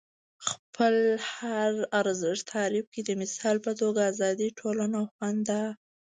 خپل هر ارزښت تعریف کړئ. د مثال په توګه ازادي، ټولنه او خندا.